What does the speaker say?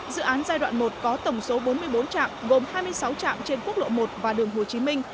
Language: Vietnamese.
dự án giai đoạn một có tổng số bốn mươi bốn trạm gồm hai mươi sáu trạm trên quốc lộ một và đường hồ chí minh